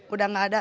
udah nggak ada